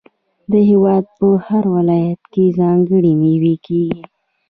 د هیواد په هر ولایت کې ځانګړې میوې کیږي.